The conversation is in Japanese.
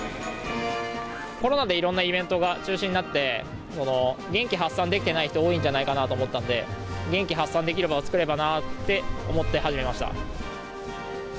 コロナでいろんなイベントが中止になって、元気発散できてない人、多いんじゃないかなと思ったんで、元気発散できる場が作れればなと思って始めました。